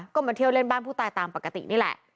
ก็มาเที่ยวเล่นบ้านผู้ตายตามปกตินี่แหละ